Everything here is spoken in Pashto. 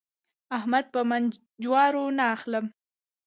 احمد په من جوارو نه اخلم.